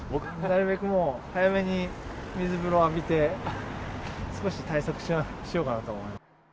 なるべくもう早めに水風呂浴びて少し対策しようかなと。